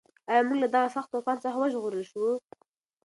ایا موږ له دغه سخت طوفان څخه وژغورل شوو؟